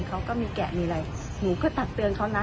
เขาก็มีแกะมีอะไรหนูก็ตักเตือนเขานะ